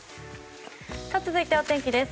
続いて、お天気です。